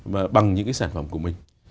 và bằng những cái sản phẩm của mình